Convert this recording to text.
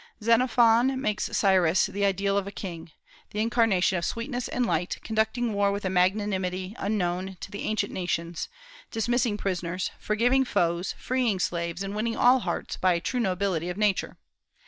Xenophon makes Cyrus the ideal of a king, the incarnation of sweetness and light, conducting war with a magnanimity unknown to the ancient nations, dismissing prisoners, forgiving foes, freeing slaves, and winning all hearts by a true nobility of nature.